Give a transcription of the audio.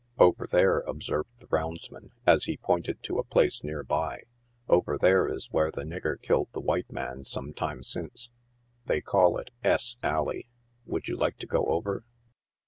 " Over there," observed the roundsman, as he pointed to a place near by, " over there is where the nigger killed the whitf man some time since. They called it S Alley. Would you like to go over